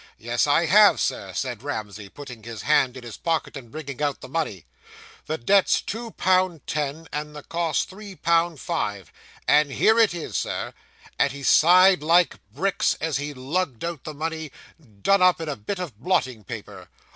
"Yes, I have, sir," said Ramsey, putting his hand in his pocket, and bringing out the money, "the debt's two pound ten, and the costs three pound five, and here it is, Sir;" and he sighed like bricks, as he lugged out the money, done up in a bit of blotting paper.